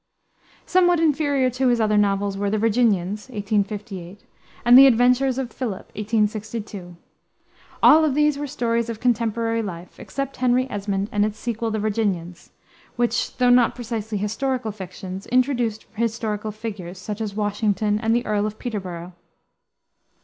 Somewhat inferior to his other novels were The Virginians, 1858, and The Adventures of Philip, 1862. All of these were stories of contemporary life, except Henry Esmond and its sequel, The Virginians, which, though not precisely historical fictions, introduced historical figures, such as Washington and the Earl of Peterborough.